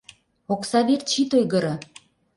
Окса верч ит ойгыро.